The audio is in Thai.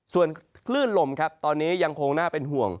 ส่วนคลื่นลมครับตอนนี้ยังคงน่าเป็นห่วง